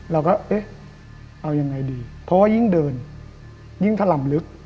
เราก็เอ๊ะเอายังไงดีเพราะว่ายิ่งเดินยิ่งถล่ำลึก